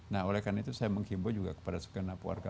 nah oleh karena itu saya menghimba juga kepada sekena warga bangsa juga